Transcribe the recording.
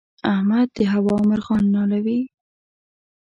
احمد د هوا مرغان نالوي.